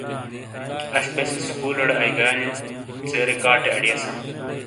اش بیسے سکولیڑے آیئگانیو سم ژیرے کاٹے اڑیئساں۔